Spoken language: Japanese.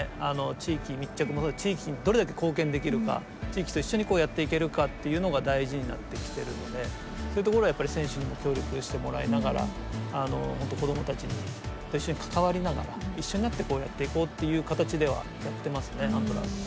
地域密着も地域にどれだけ貢献できるか地域と一緒にこうやっていけるかっていうのが大事になってきてるのでそういうところはやっぱり選手にも協力してもらいながら本当子どもたちと一緒に関わりながら一緒になってこうやっていこうっていう形ではやってますねアントラーズも。